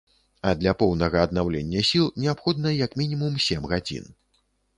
А для поўнага аднаўлення сіл неабходна як мінімум сем гадзін.